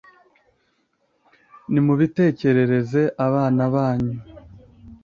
Nimubitekerereze abana banyu,